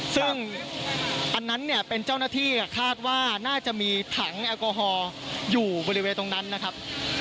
ซึ่งอันนั้นเนี่ยเป็นเจ้าหน้าที่คาดว่าน่าจะมีถังแอลกอฮอล์อยู่บริเวณตรงนั้นนะครับ